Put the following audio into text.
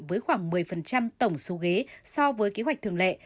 với khoảng một mươi tổng số ghế so với kế hoạch thường lệ